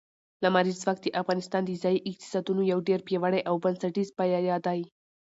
لمریز ځواک د افغانستان د ځایي اقتصادونو یو ډېر پیاوړی او بنسټیز پایایه دی.